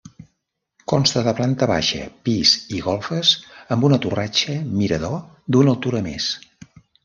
Consta de planta baixa, pis i golfes amb una torratxa mirador d'una altura més.